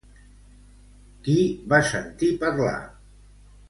Qui va sentir parlar?